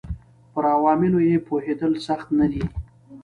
پر عواملو یې پوهېدل سخت نه دي.